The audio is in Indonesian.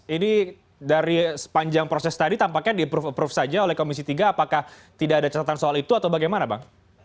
ini dari sepanjang proses tadi tampaknya di approve approve saja oleh komisi tiga apakah tidak ada catatan soal itu atau bagaimana bang